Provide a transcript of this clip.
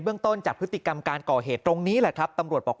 ต้นจากพฤติกรรมการก่อเหตุตรงนี้แหละครับตำรวจบอก